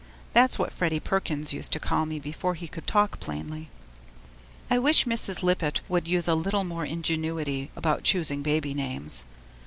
That's what Freddy Perkins used to call me before he could talk plainly. I wish Mrs. Lippett would use a little more ingenuity about choosing babies' names.